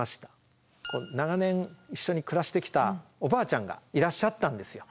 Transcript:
長年一緒に暮らしてきたおばあちゃんがいらっしゃったんですよ。